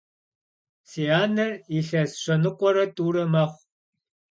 Si aner yilhes şenıkhuere t'ure mexhu.